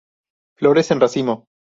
Flores en racimo.